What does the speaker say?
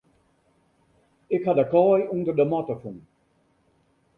Ik ha de kaai ûnder de matte fûn.